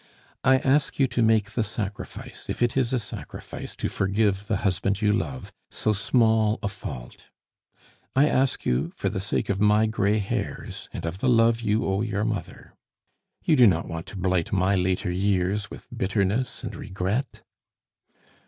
I ask you to make the sacrifice, if it is a sacrifice to forgive the husband you love so small a fault. I ask you for the sake of my gray hairs, and of the love you owe your mother. You do not want to blight my later years with bitterness and regret?"